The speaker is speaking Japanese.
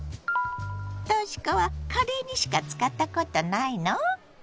とし子はカレーにしか使ったことないの？